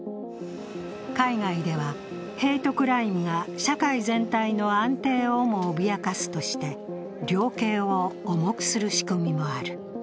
海外ではヘイトクライムが社会全体の安定をも脅かすとして、量刑を重くする仕組みもある。